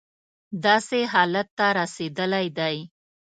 داسې حالت ته رسېدلی دی.